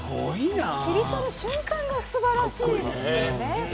切り取る瞬間が素晴らしいですよね。